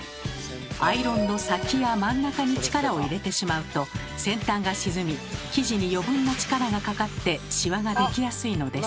アイロンの先や真ん中に力を入れてしまうと先端が沈み生地に余分な力がかかってシワができやすいのです。